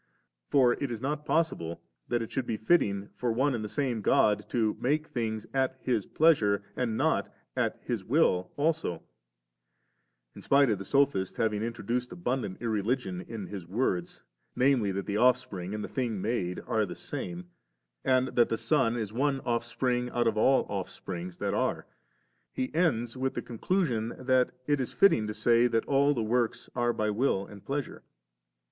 For it is not possible that it should be fitting for one and the same God to make things at His pleasure, and not at His will alsa In spite of the Sophist having intro duced abundant irreligion in his words, namely, that the Offspring and the thing made are the same, and that the Son is one offspring out of ail offsprings that are, He ends with the con clusion that it is fitting to say that the works are by will and pleasure.